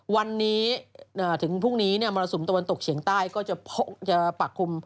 วันนี้ถึงพรุ่งนี้มรสุมตะวันตกเฉียงใต้ก็จะปักคุม